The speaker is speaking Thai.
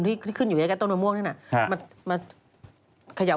ที่ขึ้นอยู่ใยใกล้ต้นมะม่วงนะ